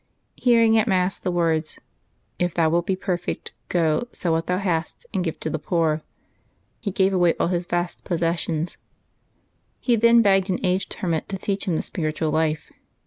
Hearing at Mass the words, " If thou wilt be perfect, go, sell what thou hast, and give to the poor,^' he gave away all his vast possessions. He then begged an aged hermit to teach him the spiritual life.